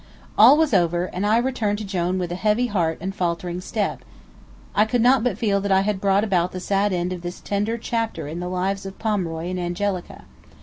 All was over, and I returned to Jone with a heavy heart and faltering step. I could not but feel that I had brought about the sad end of this tender chapter in the lives of Pomeroy and Angelica.